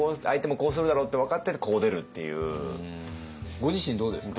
ご自身どうですか？